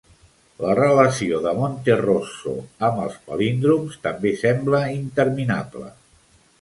La relació de Monterroso amb els palíndroms també sembla interminable.